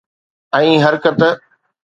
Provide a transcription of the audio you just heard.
۽ حرڪت